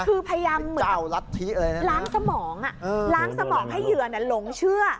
คือพยายามเหมือนล้างสมองล้างสมองให้เหยื่อหลงเชื่อ